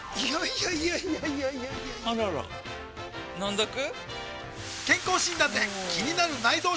いやいやいやいやあらら飲んどく？